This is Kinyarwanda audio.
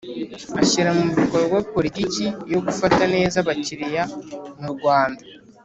Ashyira mu bikorwa politiki yo gufata neza abakiriya mu rwanda